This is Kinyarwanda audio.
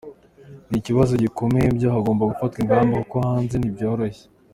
Ni ikibazo gikomeye byo hagomba gufatwa ingamba kuko hanze ntibyoroshye .